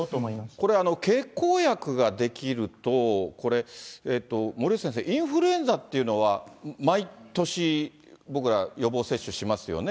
これ、経口薬が出来ると、森内先生、インフルエンザっていうのは、毎年、僕ら予防接種しますよね。